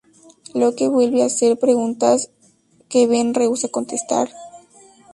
Locke vuelve a hacer preguntas que Ben rehúsa contestar.